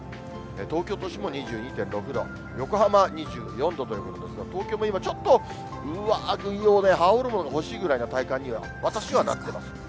東京都心も２２．６度、横浜２４度ということですが、東京も今、ちょっと羽織るもの、欲しいぐらいな体感には、私はなっています。